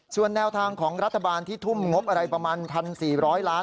ส่วนแนวทางของรัฐบาลที่ทุ่มงบอะไรประมาณ๑๔๐๐ล้าน